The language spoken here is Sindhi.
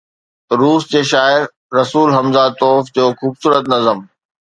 روس جي شاعر ”رسول حمزه توف“ جو خوبصورت نظم.